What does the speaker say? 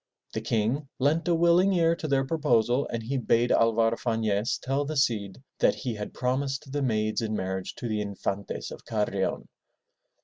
The King leant a willing ear to their proposal, and he bade Alvar Fanez tell the Cid that he had promised the maids in marriage to the Infantes of Carrion.